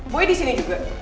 boy disini juga